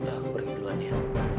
aku pergi duluan ya